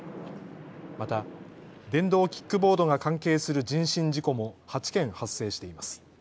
また電動キックボードが関係する人身事故も８件発生しています。